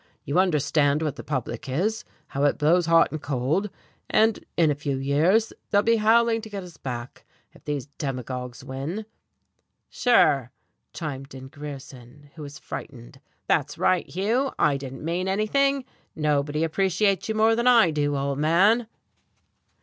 You understand what the public is, how it blows hot and cold, and in a few years they'll be howling to get us back, if these demagogues win. "Sure," chimed in Grierson, who was frightened, "that's right, Hugh. I didn't mean anything. Nobody appreciates you more than I do, old man."